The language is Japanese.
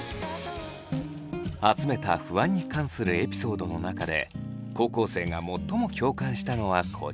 集めた不安に関するエピソードの中で高校生が最も共感したのはこちら。